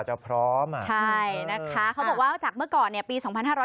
ใช่นะคะเขาบอกว่าจากเมื่อก่อนปี๒๕๑๓